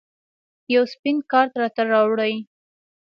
یو سپین کارت راته راوړئ